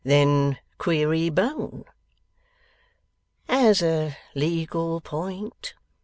'Then query, bone?' 'As a legal point?